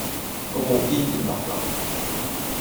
個布甸軟腍腍